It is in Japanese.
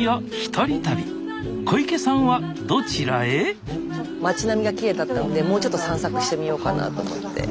スタジオ町並みがきれいだったのでもうちょっと散策してみようかなと思って。